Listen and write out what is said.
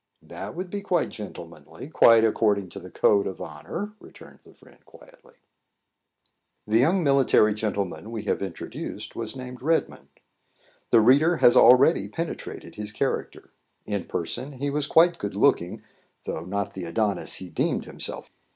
"That would be quite gentlemanly, quite according to the code of honour," returned the friend, quietly. The young military gentleman we have introduced was named Redmond. The reader has already penetrated his character. In person he was quite good looking, though not the Adonis he deemed himself.